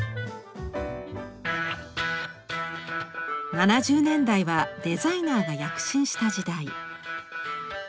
７０年代はデザイナーが躍進した時代。